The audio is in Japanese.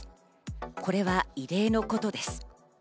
これは異例のことです。